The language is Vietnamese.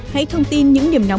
hãy thông tin những điểm nóng